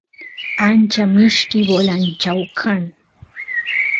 ancha mishki bolanchau kan